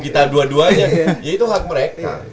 kita dua duanya ya itu hak mereka